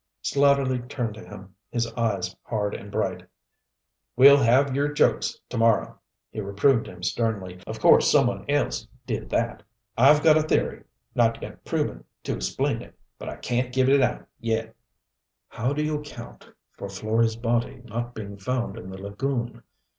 Slatterly turned to him, his eyes hard and bright. "We'll have your jokes to morrow," he reproved him sternly. "Of course some one else did that. I've got a theory not yet proven to explain it, but I can't give it out yet." "How do you account for Florey's body not being found in the lagoon?"